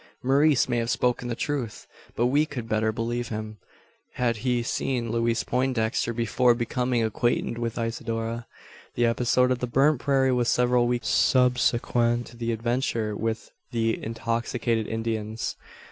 Maurice may have spoken the truth; but we could better believe him, had he seen Louise Poindexter before becoming acquainted with Isidora. The episode of the burnt prairie was several weeks subsequent to the adventure with the intoxicated Indians.